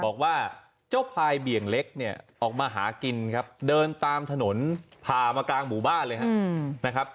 บอกว่าเจ้าพายเบี่ยงเล็กเนี่ยออกมาหากินครับเดินตามถนนผ่ามากลางหมู่บ้านเลยนะครับ